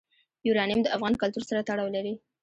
یورانیم د افغان کلتور سره تړاو لري.